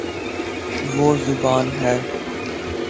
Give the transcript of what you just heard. وہ زبا ن ہے